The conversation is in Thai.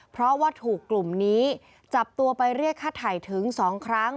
เพราะว่าถูกกลุ่มนี้จับตัวไปเรียกค่าไถ่ถึง๒ครั้ง